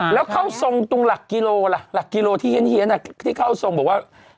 แล้วเข้าทรงตรงหลักกิโลล่ะหลักกิโลที่เฮียนที่เข้าทรงบอกว่า